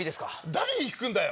誰に聞くんだよ？